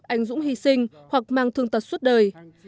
anh dũng hy sinh hoặc mang thương tật suốt đời